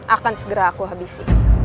akan segera aku habisi